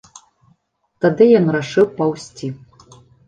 Тады ён рашыў паўзці.